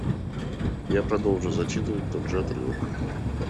Я продолжу зачитывать тот же отрывок.